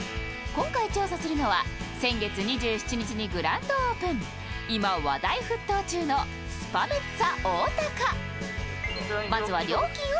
今回調査するのは先月２７日にグランドオープン、今話題沸騰中のスパメッツァおおたか。